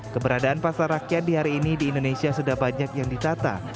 keberadaan pasar rakyat di hari ini di indonesia sudah banyak yang ditata